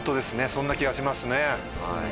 そんな気がしますね。